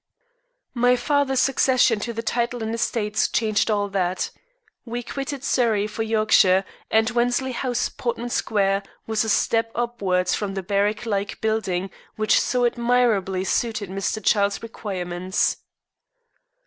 My father's succession to the title and estates changed all that. We quitted Surrey for Yorkshire, and Wensley House, Portman Square, was a step upwards from the barrack like building which so admirably suited Mr. Childe's requirements.